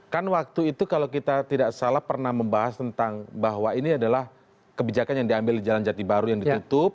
kan waktu itu kalau kita tidak salah pernah membahas tentang bahwa ini adalah kebijakan yang diambil di jalan jati baru yang ditutup